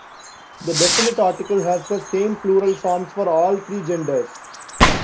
The definite article has the same plural forms for all three genders.